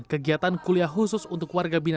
hari ini adalah hari perdana mereka untuk berkuliah